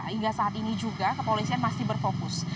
hingga saat ini juga kepolisian masih berfokus